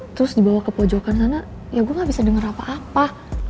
terus dibawa ke pojokan sana ya gue gak bisa dengar apa apa